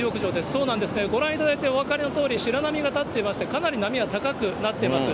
そうなんですね、ご覧いただいて、お分かりのとおり、白波が立っていまして、かなり波は高くなっています。